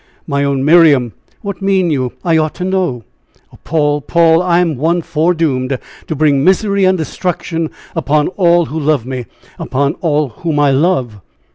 "My own Miriam, what mean you? I ought to know." "Oh, Paul! Paul! I am one foredoomed to bring misery and destruction upon all who love me; upon all whom I love."